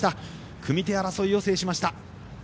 組み手争いを制しました。